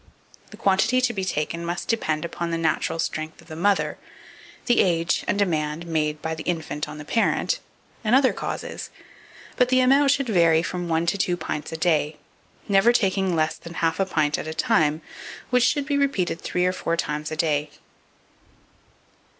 The quantity to be taken must depend upon the natural strength of the mother, the age and demand made by the infant on the parent, and other causes; but the amount should vary from one to two pints a day, never taking less than half a pint at a time, which should be repeated three or four times a day.